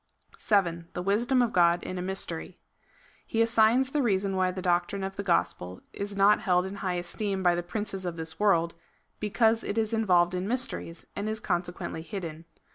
7. The wisdom of God in a mystery. He assigns the reason why the doctrine of the gospel is not held in high esteem by the princes of this world — because it is involved in mysteries, and is consequently hidden.